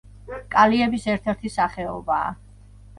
კალიების ერთ-ერთი სახეობაა.